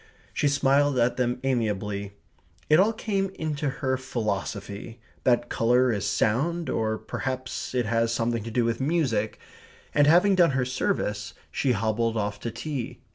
She smiled at them amiably. It all came into her philosophy that colour is sound, or perhaps it has something to do with music. And having done her service, she hobbled off to tea.